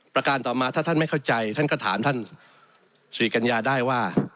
ประการต่อมาถ้าท่านไม่เข้าใจท่านก็ถามท่านสิริกัญญาได้ว่า